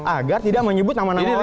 agar tidak menyebut nama nama lain